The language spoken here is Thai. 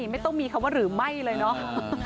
ไม่ต้องมีคำว่าหรือไม่เลยเนาะ